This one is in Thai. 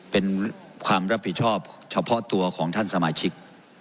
เป็นความรับผิดชอบเฉพาะตัวของท่านสมาชิก